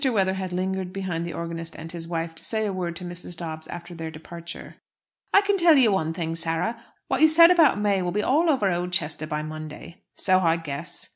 Weatherhead lingered behind the organist and his wife, to say a word to Mrs. Dobbs after their departure. "I can tell you one thing, Sarah; what you said about May will be all over Oldchester by Monday." "So I guess."